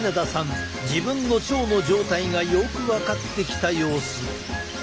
自分の腸の状態がよく分かってきた様子。